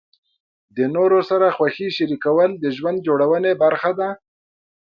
د نورو سره خوښۍ شریکول د ژوند جوړونې برخه ده.